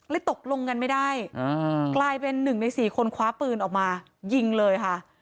ตกลงกันไม่ได้กลายเป็นหนึ่งในสี่คนคว้าปืนออกมายิงเลยค่ะ